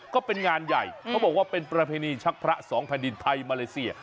ก็เป็นงานใหญ่เขาบอกว่าเป็นประเพณีชักพระสองแผ่นดินไทยมาเลเซีย